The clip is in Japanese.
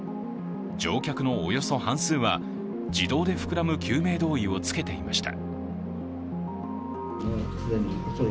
乗客のおよそ半数は自動で膨らむ救命胴衣をつけていました。